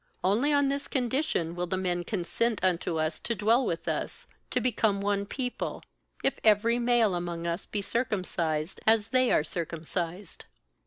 ^Oniy on this con dition will the men consent unto us to dwell with us, to become one people, if every male among us be circum cised, as they are circumcised.